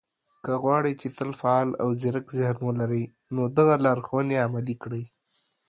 که غواړئ، چې تل فعال او ځيرک ذهن ولرئ، نو دغه لارښوونې عملي کړئ